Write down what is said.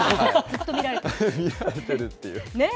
見られてるっていう。